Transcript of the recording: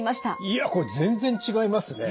いやこれ全然違いますね。